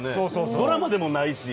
ドラマでもないし。